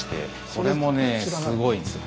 これもねすごいですよ。